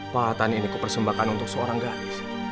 pahatan ini kupersembahkan untuk seorang gadis